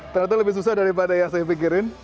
ternyata lebih susah daripada yang saya pikirin